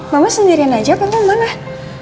mama sendirian aja apa kamu emang ah